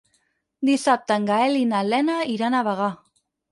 Dissabte en Gaël i na Lena iran a Bagà.